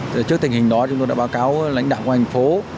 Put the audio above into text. thì trước tình hình đó chúng tôi đã báo cáo lãnh đạo ngành phố